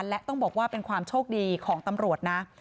และต้องบอกว่าเป็นความโชคดีของตำรวจนะ